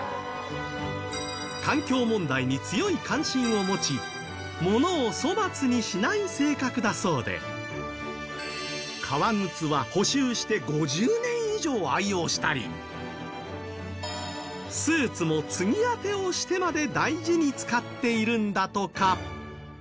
環境問題に強い関心を持ち物を粗末にしない性格だそうで革靴は補修して５０年以上、愛用したりスーツも継ぎ当てをしてまで大事に使っているんだとか。